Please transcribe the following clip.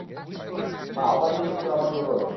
মা, overreact করা বন্ধ করো।